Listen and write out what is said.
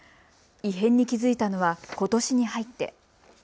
異変に気付いたのはことしに入って。